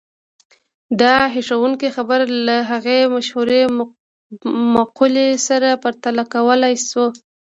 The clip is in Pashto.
دا هيښوونکې خبره له هغې مشهورې مقولې سره پرتله کولای شو.